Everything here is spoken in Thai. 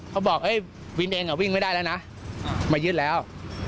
เขาบอกเอ้ยวินเองอ่ะวิ่งไม่ได้แล้วนะอ่ามายึดแล้ว